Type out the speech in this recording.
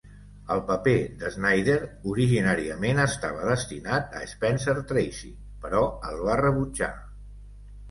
El paper d'Snyder originàriament estava destinat a Spencer Tracy, però el va rebutjar.